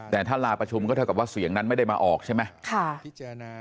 แต่ถ้าลาประชุมก็เท่ากับว่าเสียงนั้นไม่ได้มาออกใช่ไหม